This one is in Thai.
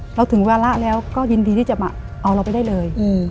ค่ะเราถึงเวลาแล้วก็ยินดีที่จะมาเอาเราไปได้เลยอืม